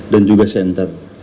dan juga senter